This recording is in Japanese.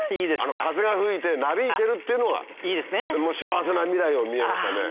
あの風が吹いてなびいてるっていうのが幸せな未来を見れましたね。